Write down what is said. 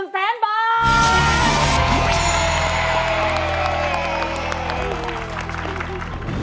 ๑แสนบาท